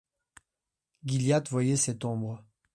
Gilliatt voyait cette ombre.